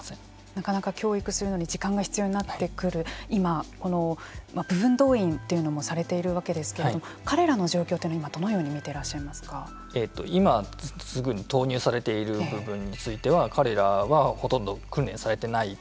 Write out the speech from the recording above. なかなか教育するのに時間が必要になってくる今、この部分動員というのもされているわけですけれども彼らの状況というのは今、どのように今すぐに投入されている部分については彼らは、ほとんど訓練されてない。